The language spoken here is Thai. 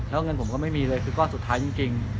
แล้วเงินผมก็ไม่มีเลยคือก้อนสุดท้ายจริง